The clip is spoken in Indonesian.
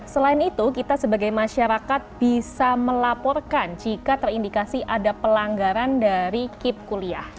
selain itu kita sebagai masyarakat bisa melaporkan jika terindikasi ada pelanggaran dari kip kuliah